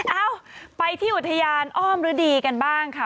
เอ้าไปที่อุทยานอ้อมฤดีกันบ้างค่ะ